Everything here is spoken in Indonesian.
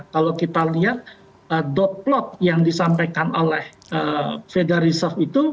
kalau kita lihat dot plot yang disampaikan oleh fed reserve itu